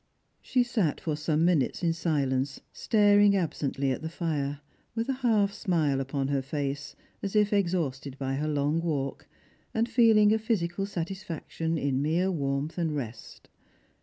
She sat for some minutes in silence staring absently at the fire, with a half smile upon her face, as if exhausted by her long walk, and feeling a physical satisfaction in m^ ''"e warmth and rest.